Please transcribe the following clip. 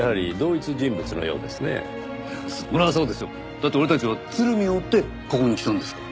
だって俺たちは鶴見を追ってここに来たんですから。